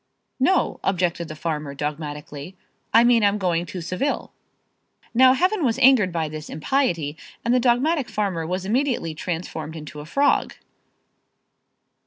"No," objected the farmer, dogmatically, "I mean I'm going to Seville." Now Heaven was angered by this impiety and the dogmatic farmer was immediately transformed into a frog.